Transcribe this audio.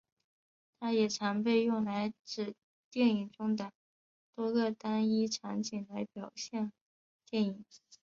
它也常被用来指电影中的多个单一场景来表现电影。